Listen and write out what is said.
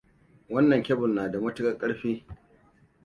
Wanna kyabil na da matuƙar ƙarfi.